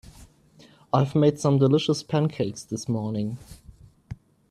I've made some delicious pancakes this morning.